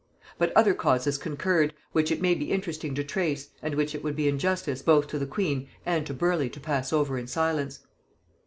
But other causes concurred, which it may be interesting to trace, and which it would be injustice both to the queen and to Burleigh to pass over in silence.